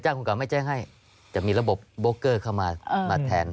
แจ้งคนกรรมไม่แจ้งให้จะมีระปบโบเคิร์ย์เข้ามาแทน